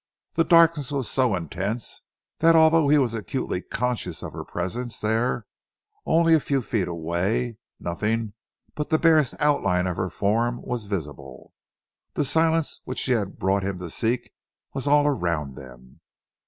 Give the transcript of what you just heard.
The darkness was so intense that although he was acutely conscious of her presence there, only a few feet away, nothing but the barest outline of her form was visible. The silence which she had brought him to seek was all around them.